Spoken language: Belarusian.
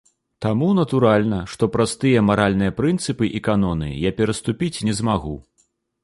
Таму, натуральна, што праз тыя маральныя прынцыпы і каноны я пераступіць не змагу.